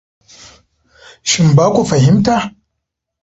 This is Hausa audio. Shin ba ku fahimta?